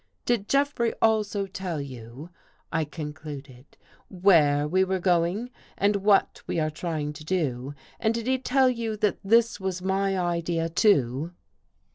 Did Jeffrey also tell you," I concluded, " where we were going and what we are going to do and did he tell you that this was my idea, too?